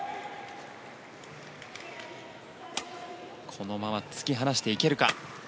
このまま突き放していけるか。